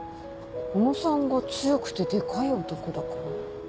小野さんが強くてデカい男だから？